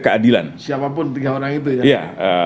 keadilan siapapun tiga orang itu ya